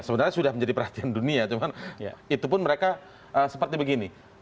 sebenarnya sudah menjadi perhatian dunia cuman itu pun mereka seperti begini